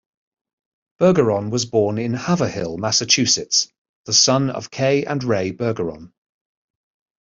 Bergeron was born in Haverhill, Massachusetts, the son of Kay and Ray Bergeron.